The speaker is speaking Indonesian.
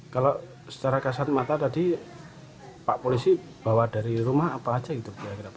kalau secara kesan mata tadi pak polisi bawa dari rumah apa saja gitu